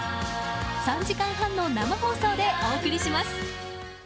３時間半の生放送でお送りします。